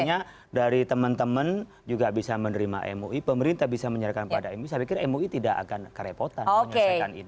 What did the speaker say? makanya dari teman teman juga bisa menerima mui pemerintah bisa menyerahkan pada mui saya pikir mui tidak akan kerepotan menyelesaikan ini